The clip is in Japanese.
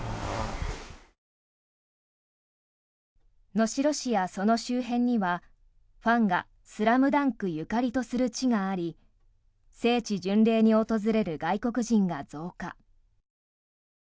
能代市やその周辺にはファンが「ＳＬＡＭＤＵＮＫ」ゆかりとする地があり聖地巡礼に訪れる外国人が増加。